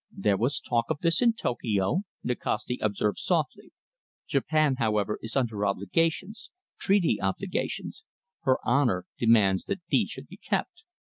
"There was talk of this in Tokio," Nikasti observed softly. "Japan, however, is under obligations treaty obligations. Her honour demands that these should be kept."